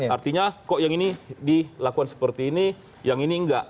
artinya kok yang ini dilakukan seperti ini yang ini enggak